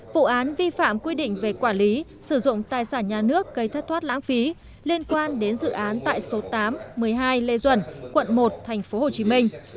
vụ án vi phạm quy định về quản lý sử dụng tài sản nhà nước gây thất thoát lãng phí liên quan đến dự án tại số tám một mươi hai lê duẩn quận một tp hcm